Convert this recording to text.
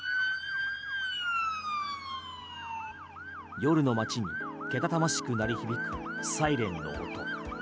夜の街にけたたましく鳴り響くサイレンの音。